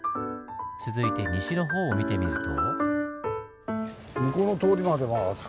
続いて西の方を見てみると。